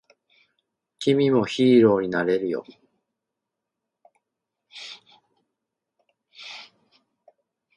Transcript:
君もヒーローになれるよ